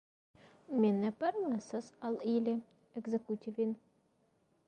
Mi ne permesos al ili ekzekuti vin.